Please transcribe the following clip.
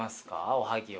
おはぎは。